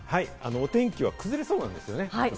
お天気は崩れそうなんですね。